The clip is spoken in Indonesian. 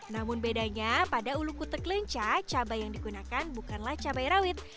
namun bedanya pada ulu kutek lenca cabai yang digunakan bukanlah cabai rawit